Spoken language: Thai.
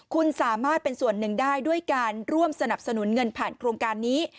คุณสามารถเป็นส่วนหนึ่งได้ด้วยการร่วมสนับสนุนเงินผ่านโครงการนี้